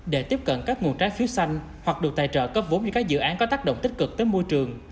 để tiếp cận các nguồn trái phiếu xanh hoặc được tài trợ cấp vốn như các dự án có tác động tích cực tới môi trường